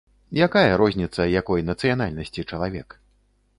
Якая розніца, якой нацыянальнасці чалавек.